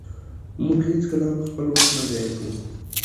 مونږ هيڅکله هم خپل وخت نه ضایع کوو.